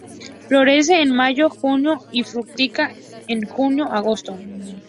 Florece en mayo-junio y fructifica en junio-agosto.